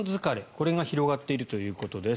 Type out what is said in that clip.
これが広がっているということです。